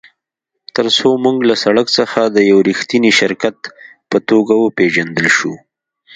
ترڅو موږ له سړک څخه د یو ریښتیني شرکت په توګه وپیژندل شو